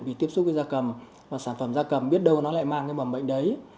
vì tiếp xúc với da cầm và sản phẩm da cầm biết đâu nó lại mang cái mầm bệnh đấy